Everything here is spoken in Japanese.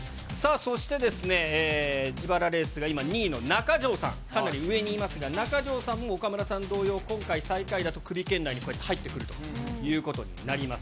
そしてですね、自腹レースが今２位の中条さん、かなり上にいますが、中条さんも岡村さん同様、最下位だとクビ圏内に、こうやって入ってくるということになります。